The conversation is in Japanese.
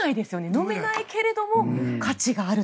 飲めないけども価値があると。